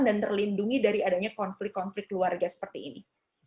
dan terlindungi dari adanya konflik konflik keluarga seperti ini